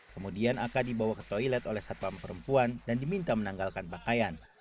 kemudian ak dibawa ke toilet oleh satpam perempuan dan diminta menanggalkan pakaian